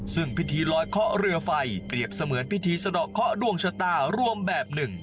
ซึ่งพิธีลอยเคาะเรือไฟเปรียบเสมือนพิธีสะดอกเคาะดวงชะตารวมแบบหนึ่ง